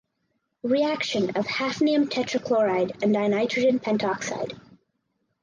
Reaction of hafnium tetrachloride and dinitrogen pentoxide.